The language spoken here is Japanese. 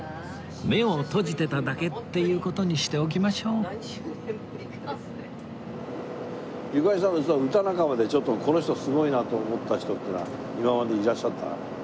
目を閉じてただけっていう事にしておきましょうゆかりさんの歌仲間でちょっとこの人すごいなと思った人っていうのは今までいらっしゃった？